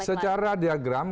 ya secara diagram